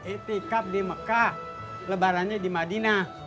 itikaf di mekah lebarannya di madinah